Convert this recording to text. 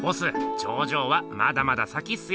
頂上はまだまだ先っすよ！